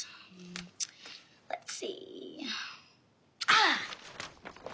ああ！